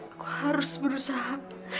aku harus berusaha